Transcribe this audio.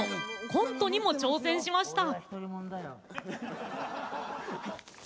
コントにも挑戦しました。